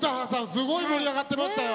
すごい盛り上がってましたよ。